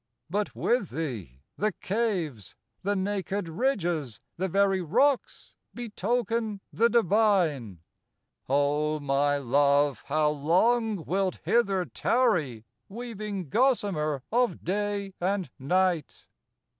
But with thee, the caves, the naked ridges, The very rocks betoken the divine. O my Love, how long wilt hither tarry Weaving gossamer of day and night?